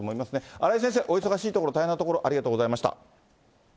荒井先生、お忙しいところ、大変なところありがとうございました。